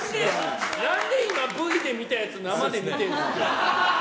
なんで今、Ｖで見たやつ、生で見たの。